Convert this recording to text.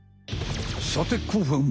さて後半は。